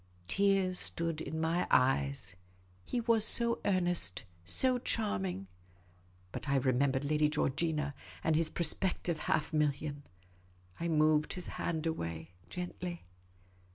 Tears stood in my eyes. He was so earnest, so charming. But I remembered Lady Georgina, and his prospective half million. I moved his hand away gently.